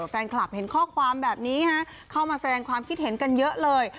แฟนคลับเห็นข้อความแบบนี้เข้ามาแสดงความคิดเห็นกันเยอะเลย